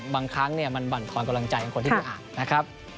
บางครั้งเนี่ยมันบั่นความกำลังใจของคนที่ไปอ่านนะครับ